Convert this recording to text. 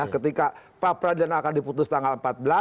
ketika pra peradilan akan diputus tanggal empat belas